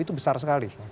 lebih besar sekali